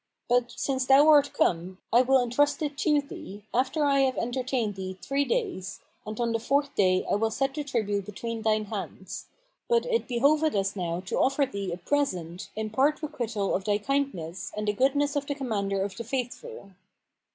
But, since thou art come, I will entrust it to thee, after I have entertained thee three days; and on the fourth day I will set the tribute between thine hands. But it behoveth us now to offer thee a present in part requital of thy kindness and the goodness of the Commander of the Faithful."